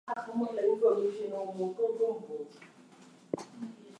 While studying at Princeton University Tyler also played American football and baseball.